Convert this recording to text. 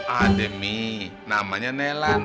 ada mih namanya nelan